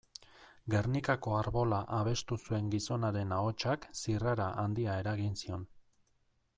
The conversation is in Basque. Gernikako Arbola abestu zuen gizonaren ahotsak zirrara handia eragin zion.